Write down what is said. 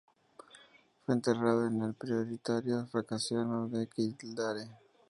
Fue enterrado en el priorato Franciscano de Kildare.